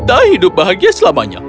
dan kita hidup bahagia selamanya